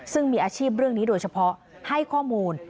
ซึ่งมีอาชีพเรื่องนี้โดยเฉพาะให้ข้อมูล